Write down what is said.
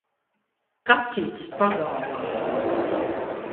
Kaķītis pagalmā!